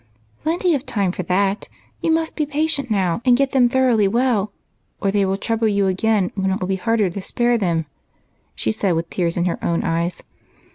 " Plenty of time for that ; you must be patient now, and get them thoronghly well, or they will trouble you again when it will be harder to spare them," she said, with tears in her own eyes.